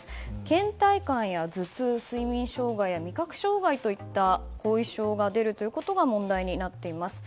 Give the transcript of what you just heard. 倦怠感や頭痛、睡眠障害や味覚障害といった後遺症が出るということが問題になっています。